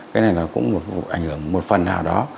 cái này cũng ảnh hưởng một phần nào đó